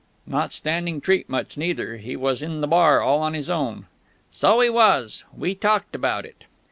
"Not standing treat much, neither; he was in the bar, all on his own...." "So 'e was; we talked about it...."